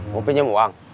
kopinya mau uang